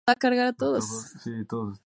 Se encuentran en Asia: sur de Sarawak.